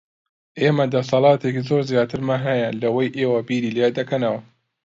ئێمە دەسەڵاتێکی زۆر زیاترمان هەیە لەوەی ئێوە بیری لێ دەکەنەوە.